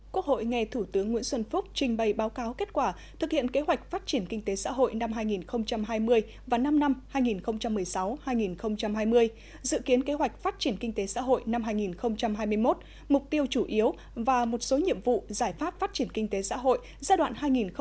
quốc hội nghe thủ tướng nguyễn xuân phúc trình bày báo cáo kết quả thực hiện kế hoạch phát triển kinh tế xã hội năm hai nghìn hai mươi và năm năm hai nghìn một mươi sáu hai nghìn hai mươi dự kiến kế hoạch phát triển kinh tế xã hội năm hai nghìn hai mươi một mục tiêu chủ yếu và một số nhiệm vụ giải pháp phát triển kinh tế xã hội giai đoạn hai nghìn hai mươi một hai nghìn ba mươi